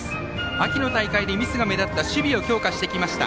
秋の大会でミスが目立った守備を強化してきました。